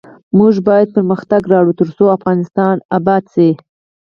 موږ باید پرمختګ راوړو ، ترڅو افغانستان اباد شي.